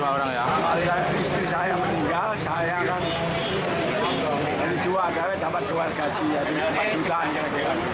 untuk apa rencananya pak